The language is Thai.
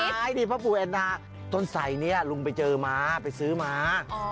ก็ยังไม่ตายนี่พระภูแอนนาต้นไส่เนี่ยลุงไปเจอมาไปซื้อมา